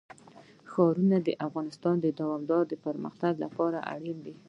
ښارونه د افغانستان د دوامداره پرمختګ لپاره اړین دي.